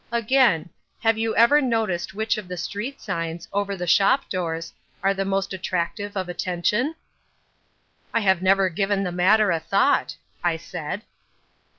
Again: have you ever noticed which of the street signs, over the shop doors, are the most attractive of attention?" "I have never given the matter a thought," I said.